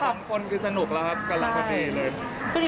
แอบแล้วทั้งคนคือสนุกแล้วครับก็รับพอดีเลย